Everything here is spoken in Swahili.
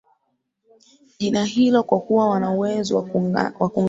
jina hilo kwa kuwa wana uwezo wa kungata